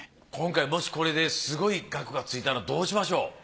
今回もしこれですごい額がついたらどうしましょう？